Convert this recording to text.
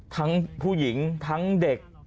ทั้งผู้หญิงทั้งเด็ก